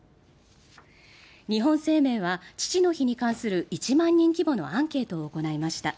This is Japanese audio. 日本生命は父の日に関する１万人規模のアンケートを行いました。